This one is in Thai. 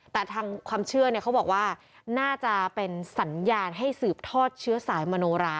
แต่ทางความเชื่อเนี่ยเขาบอกว่าน่าจะเป็นสัญญาณให้สืบทอดเชื้อสายมโนรา